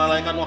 eh ya abah